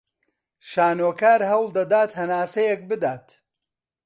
شانۆکار هەوڵ دەدات هەناسەیەک بدات